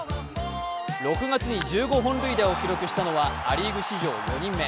６月に１５本塁打を記録したのはア・リーグ史上４人目。